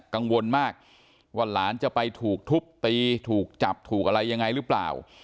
กังวลมากว่าหลานจะไปถูกทุบตีถูกจับถูกอะไรยังไงหรือเปล่า